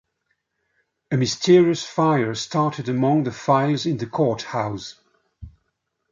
A mysterious fire started among the files in the courthouse.